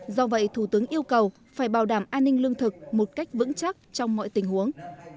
do vậy thủ tướng yêu cầu phải bảo đảm an ninh lương thực một cách vững chắc trong mọi tình huống